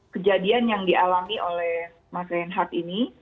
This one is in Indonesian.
kejadian yang dialami oleh mas reinhardt ini